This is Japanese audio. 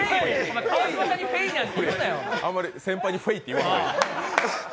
あんまり先輩に「ふぇい」とか言わない。